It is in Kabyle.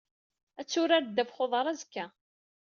Ad turar ddabex uḍar azekka.